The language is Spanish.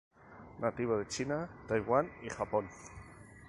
Nativo de China, Taiwan y Japón.